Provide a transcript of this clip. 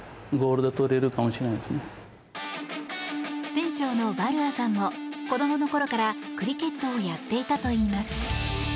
店長のバルアさんも子どもの頃からクリケットをやっていたといいます。